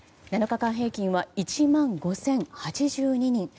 ７日間平均は１万５０８２人。